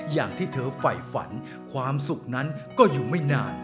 อย่างที่เธอไฝฝันความสุขนั้นก็อยู่ไม่นาน